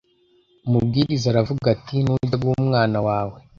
Umubwiriza aravuga ati nujya guha umwana wawe